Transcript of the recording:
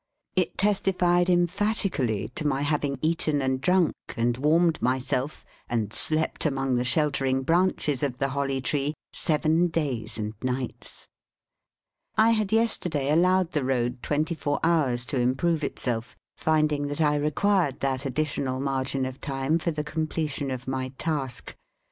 It testified emphatically to my having eaten and drunk, and warmed myself, and slept among the sheltering branches of the Holly Tree, seven days and nights. I had yesterday allowed the road twenty four hours to improve itself, finding that I required that additional margin of time for the completion of my task.